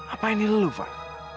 apa ini lalu pak